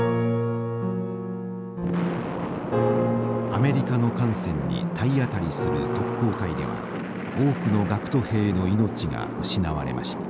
アメリカの艦船に体当たりする特攻隊では多くの学徒兵の命が失われました。